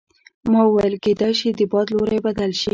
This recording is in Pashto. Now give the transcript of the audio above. ما وویل کیدای شي د باد لوری بدل شي.